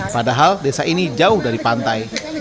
padahal desa ini jauh dari pantai